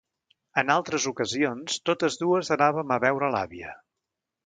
En altres ocasions, totes dues anàvem a veure l'àvia.